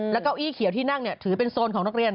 แล้วก็อี้เขียวที่นั่งถือเป็นโซนของนักเรียน